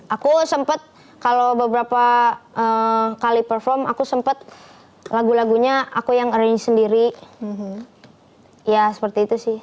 aku sempat kalau beberapa kali perform aku sempet lagu lagunya aku yang arrange sendiri ya seperti itu sih